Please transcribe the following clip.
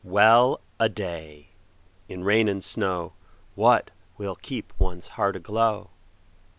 Well a day! in rain and snowWhat will keep one's heart aglow?